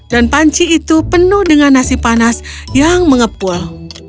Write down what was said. dan panci itu penuh dengan nasi panas yang mengepul